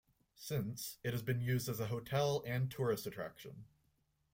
Since, it has been used as a hotel and tourist attraction.